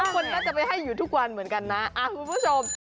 คนก็จะไปให้อยู่ทุกวันเหมือนกันนะคุณผู้ชม